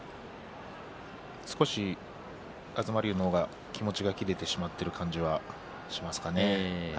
少し東龍の方が気持ちが切れてしまった感じがします。